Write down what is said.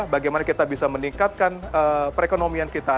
bagaimana kita bisa meningkatkan perekonomian kita